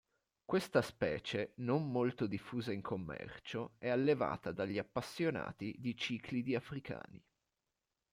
Questa specie, non molto diffusa in commercio, è allevata dagli appassionati di ciclidi africani.